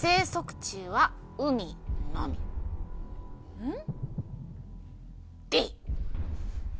うん？